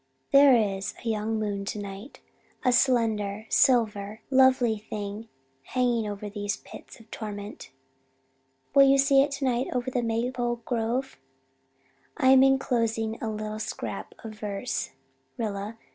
"There is a young moon tonight a slender, silver, lovely thing hanging over these pits of torment. Will you see it tonight over the maple grove? "I'm enclosing a little scrap of verse, Rilla.